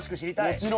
もちろん。